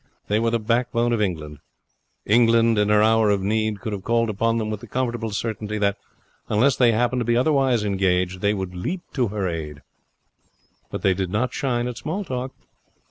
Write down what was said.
They were the backbone of England. England, in her hour of need, could have called upon them with the comfortable certainty that, unless they happened to be otherwise engaged, they would leap to her aid. But they did not shine at small talk.